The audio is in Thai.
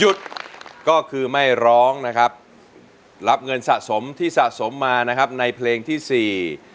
หยุดก็คือไม่ร้องนะครับรับเงินสะสมที่สะสมมานะครับในเพลงที่สี่